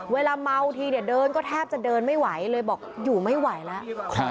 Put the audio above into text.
เวลาเมาทีเนี่ยเดินก็แทบจะเดินไม่ไหวเลยบอกอยู่ไม่ไหวแล้ว